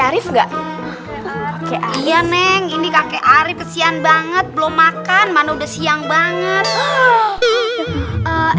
arief enggak iya neng ini kakek arief kesian banget belum makan mana udah siang banget